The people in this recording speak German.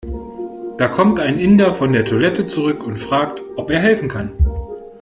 Da kommt ein Inder von der Toilette zurück und fragt, ob er helfen kann.